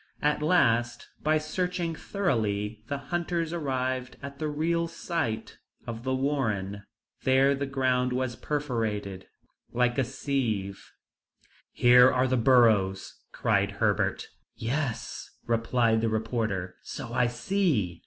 At last, by searching thoroughly, the hunters arrived at the real site of the warren. There the ground was perforated like a sieve. "Here are the burrows!" cried Herbert. "Yes," replied the reporter, "so I see."